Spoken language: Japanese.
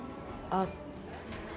あっ。